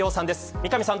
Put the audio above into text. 三上さん